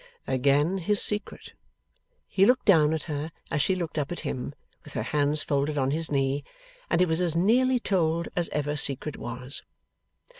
Again, his secret! He looked down at her as she looked up at him, with her hands folded on his knee, and it was as nearly told as ever secret was.